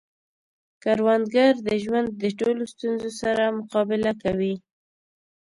کروندګر د ژوند د ټولو ستونزو سره مقابله کوي